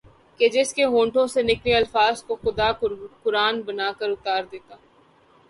کہ جس کے ہونٹوں سے نکلے الفاظ کو خدا قرآن بنا کر اتار دیتا